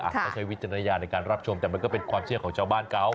ก็ใช้วิจารณญาณในการรับชมแต่มันก็เป็นความเชื่อของชาวบ้านเขา